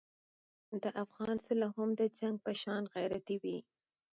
د افغان سوله هم د جنګ په شان غیرتي وي.